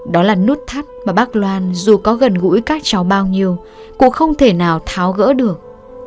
đó là nút thắt mà bác loan dù có gần gũi các cháu bao nhiêu cô không thể nào tháo gỡ được